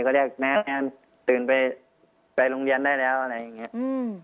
ก็เรียกแมทตื่นไปไปโรงเรียนได้แล้วอะไรอย่างเงี้ยอืม